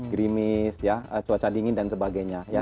grimis cuaca dingin dan sebagainya